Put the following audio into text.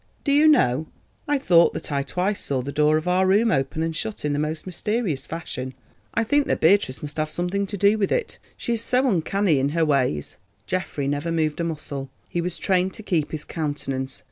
"Do you know I thought that I twice saw the door of our room open and shut in the most mysterious fashion. I think that Beatrice must have something to do with it; she is so uncanny in her ways." Geoffrey never moved a muscle, he was trained to keep his countenance.